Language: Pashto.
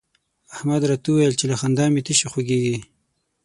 احمد راته وويل چې له خندا مې تشي خوږېږي.